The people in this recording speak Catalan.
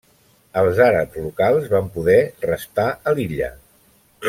Els àrabs locals van poder restar a l'illa.